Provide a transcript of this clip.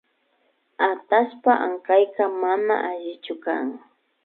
Atallpa ankayka mana allichu kan